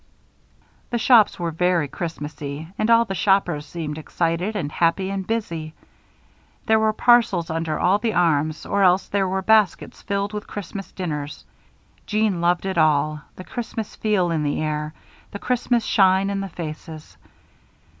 The shops were very Christmas y and all the shoppers seemed excited and happy and busy. There were parcels under all the arms or else there were baskets filled with Christmas dinners. Jeanne loved it all the Christmas feel in the air, the Christmas shine in the faces.